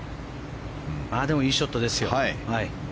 でも、いいショットです。